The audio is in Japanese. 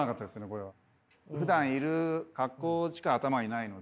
これは。ふだんいる格好しか頭にないので。